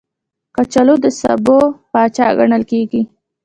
کچالو د سبو پاچا ګڼل کېږي